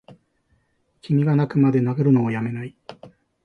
君がッ泣くまで殴るのをやめないッ！